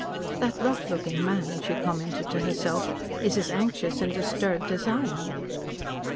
"That rough looking man," she commented to herself, "is as anxious and disturbed as I am."